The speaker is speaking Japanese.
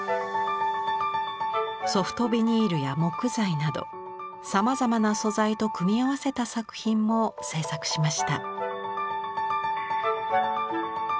ソフトビニールや木材などさまざまな素材と組み合わせた作品も制作しました。